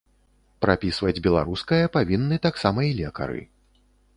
Прапісваць беларускае павінны таксама і лекары.